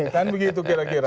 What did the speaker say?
kan begitu kira kira